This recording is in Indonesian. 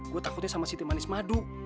gue takutnya sama siti manis madu